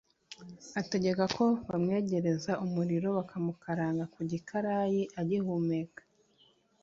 ategeka ko bamwegereza umuriro bakamukaranga ku gikarayi agihumeka